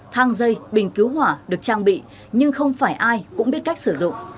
thang dây bình cứu hỏa được trang bị nhưng không phải ai cũng biết cách sử dụng